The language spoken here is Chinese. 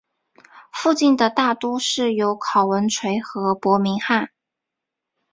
附近的大都市有考文垂和伯明翰。